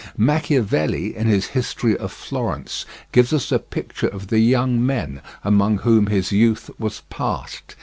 Machiavelli, in his "History of Florence," gives us a picture of the young men among whom his youth was passed.